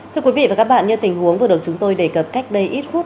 thưa quý vị và các bạn như tình huống vừa được chúng tôi đề cập cách đây ít phút